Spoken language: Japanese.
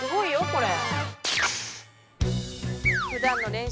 これ。